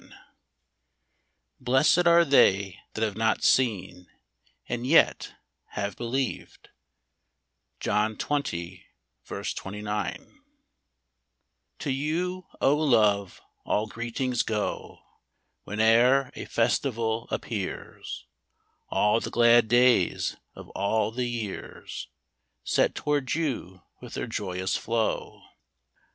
] Blessed are they that have not seen, and yet have believed. — John XX. 29. |0 you, O love, all greetings go. Whene'er a festival appears : All the glad days of all the years Set toward you with their joyous flow.